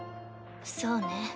そうね。